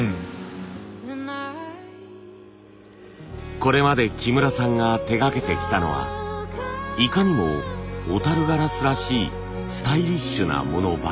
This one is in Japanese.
これまで木村さんが手がけてきたのはいかにも小ガラスらしいスタイリッシュなものばかり。